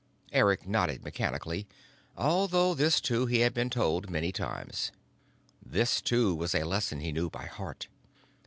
Eric nodded mechanically, although this too he had been told many times, this too was a lesson he knew by heart.